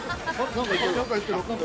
何か言ってる。